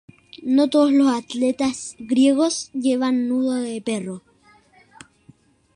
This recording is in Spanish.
No todos los atletas griegos llevaban nudo de perro.